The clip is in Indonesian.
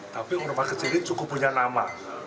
tapi rumah kecil ini cukup punya nama